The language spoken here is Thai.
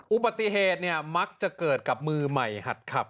อุปฏิเหตุมักจะเกิดกับมือใหม่ฮัดขลับ